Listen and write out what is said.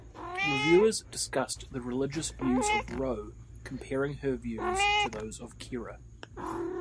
Reviewers discussed the religious views of Ro, comparing her views to those of Kira.